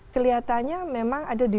kelihatannya memang ada divenson